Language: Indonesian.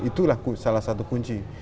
itulah salah satu kunci